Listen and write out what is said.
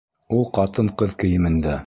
Ул ҡатын-ҡыҙ кейемендә.